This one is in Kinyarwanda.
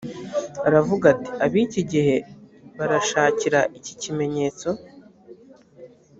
aravuga ati ab iki gihe barashakira iki ikimenyetso